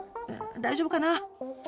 大丈夫かな？